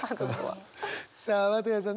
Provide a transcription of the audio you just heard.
さあ綿矢さん